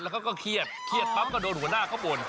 เขาก็เครียดเครียดปั๊บก็โดนหัวหน้าเขาบ่น